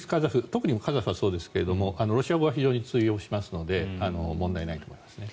特にカザフはそうですけどロシア語が非常に通用しますので問題ないと思いますね。